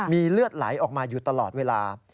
มีเลือดไหลออกมาอยู่ตลอดเวลา